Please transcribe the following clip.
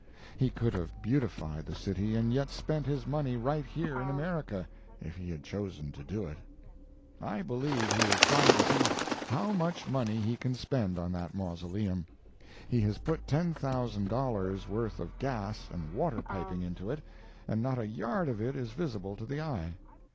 He could have beautified the city and yet spent his money right here in America, if he had chosen to do it. I believe he is trying to see how much money he can spend on that mausoleum. He has put $10,000 worth of gas and water piping into it, and not a yard of it is visible to the eye.